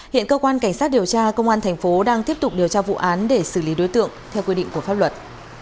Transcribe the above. hiện cơ quan cảnh sát điều tra công an thành phố đang tiếp tục điều tra vụ án để xử lý đối tượng theo quy định của pháp luật